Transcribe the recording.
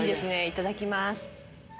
いただきます